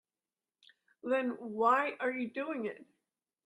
Then why are you doing it?